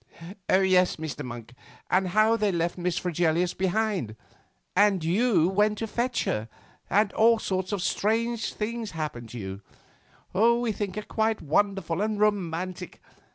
"Oh, yes, Mr. Monk, and how they left Miss Fregelius behind, and you went to fetch her, and all sorts of strange things happened to you. We think it quite wonderful and romantic.